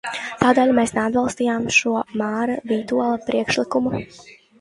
Tādēļ mēs neatbalstījām šo Māra Vītola priekšlikumu.